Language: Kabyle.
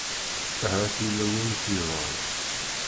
Ahat yella win i t-yebɣan.